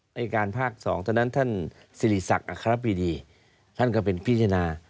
อัศวินิการภาค๒ตอนนั้นท่านศิริษักร์อ่ะครับพี่ดีท่านก็เป็นพิจารณา